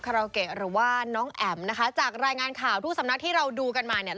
ราเกะหรือว่าน้องแอ๋มนะคะจากรายงานข่าวทุกสำนักที่เราดูกันมาเนี่ย